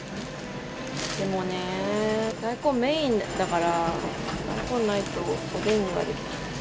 でもね、大根メインだから、大根ないと、おでんには。